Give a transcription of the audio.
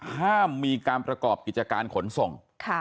ห้ามมีการประกอบกิจการขนส่ง